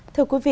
thưa quý vị